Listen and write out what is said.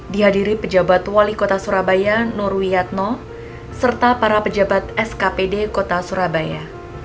dihadiri pejabat wali kota surabaya nur wiyatno serta para pejabat skpd kota surabaya